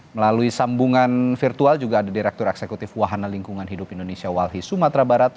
melalui sambungan virtual juga ada direktur eksekutif wahana lingkungan hidup indonesia walhi sumatera barat